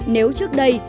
nếu trước đây